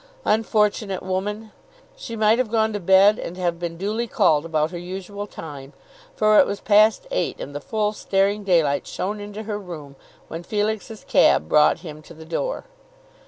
Unfortunate woman! she might have gone to bed and have been duly called about her usual time, for it was past eight and the full staring daylight shone into her room when Felix's cab brought him to the door.